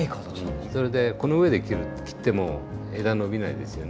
それでこの上で切っても枝伸びないですよね。